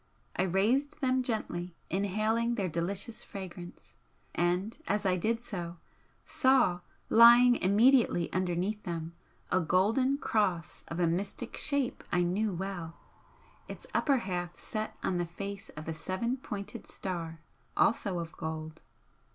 I raised them gently, inhaling their delicious fragrance, and as I did so, saw, lying immediately underneath them, a golden Cross of a mystic shape I knew well, its upper half set on the face of a seven pointed Star, also of gold.